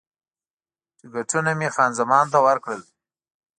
ټکټونه مې خان زمان ته ورکړل.